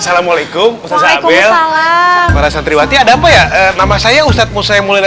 assalamualaikum waalaikumsalam para santriwati ada apa ya nama saya ustadz musa yang mulia